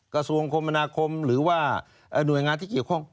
กระทรวงคมนาคมหรือว่าหน่วยงานที่เกี่ยวข้อง